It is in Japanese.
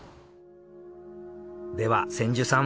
では千住さん